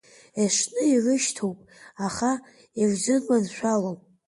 Есҽны ирышьҭоуп, аха ирзырманшәалом…